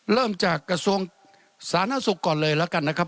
เริ่มจากกระทรวงสาธารณสุขก่อนเลยแล้วกันนะครับ